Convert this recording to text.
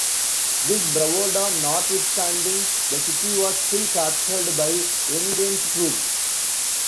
This bravado notwithstanding, the city was still captured by Enghien's troops.